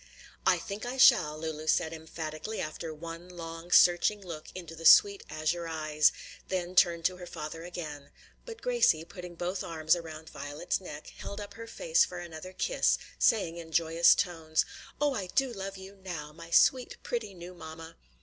"I think I shall," Lulu said emphatically, after one long, searching look into the sweet azure eyes; then turned to her father again. But Gracie, putting both arms round Violet's neck, held up her face for another kiss, saying in joyous tones, "Oh, I do love you now! my sweet, pretty new mamma!"